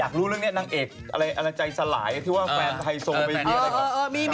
อยากรู้เรื่องเนี้ยนางเอกอะไรอะไรใจสลายที่ว่าแฟนไทยโซงไปเฮีย